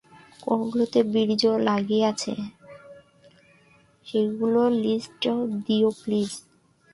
কোনগুলোতে বীর্য লাগিয়েছ সেগুলোর লিষ্ট দিও প্লিজ?